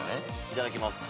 いただきます。